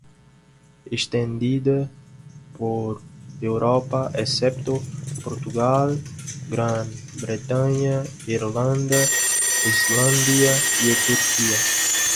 Extendida por Europa, excepto Portugal, Gran Bretaña, Irlanda, Islandia y Turquía.